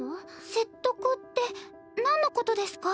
説得ってなんのことですか？